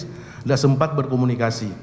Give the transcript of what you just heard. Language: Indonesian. tidak sempat berkomunikasi